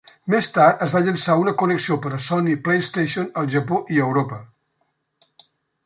Més tard, es va llançar una connexió per a Sony PlayStation al Japó i a Europa.